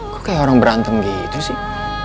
kok kayak orang berantem gitu sih